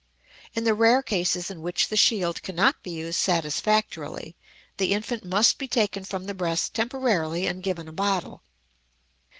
In the rare cases in which the shield cannot be used satisfactorily the infant must be taken from the breast temporarily and given a bottle.